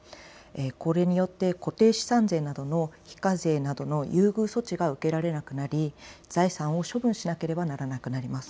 これによって固定資産税などの非課税などの優遇措置が受けられなくなり財産を処分しなければならなくなります。